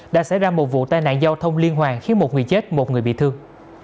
đã xảy ra một vụ tai nạn giao thông liên hoàn khiến một người chết một người bị thương